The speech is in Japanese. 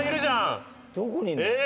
どこにいるの？